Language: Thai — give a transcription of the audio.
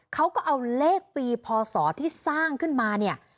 เขาก็เอาเลขปีพศที่สร้างขึ้นมาเนี่ย